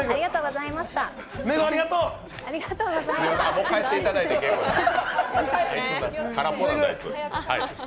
もう帰っていただいて結構です。